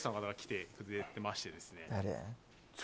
誰？